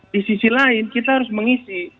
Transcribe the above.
di sisi lain kita harus mengisi